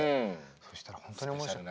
そしたら本当に面白い。